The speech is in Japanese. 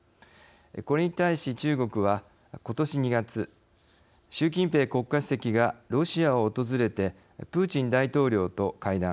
これに対し中国は今年２月習近平国家主席がロシアを訪れてプーチン大統領と会談。